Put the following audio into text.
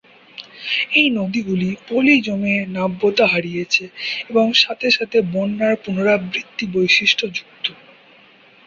এই নদীগুলি পলি জমে নাব্যতা হারিয়েছে এবং সাথে সাথে বন্যার পুনরাবৃত্তি বৈশিষ্ট্যযুক্ত।